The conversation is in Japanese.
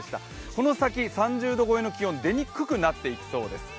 この先３０度超えの気温、出にくくなっていくそうです。